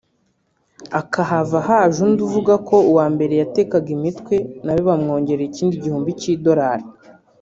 akahava haje undi uvuga ko uwa mbere yatekaga imitwe nawe bamwongera ikindi gihumbi cy’idolari